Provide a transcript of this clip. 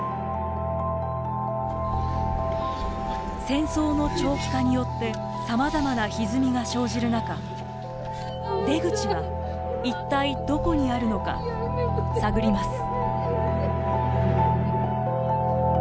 戦争の長期化によってさまざまな、ひずみが生じる中出口は、一体どこにあるのか探ります。